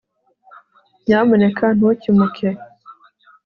nyamuneka ntukimuke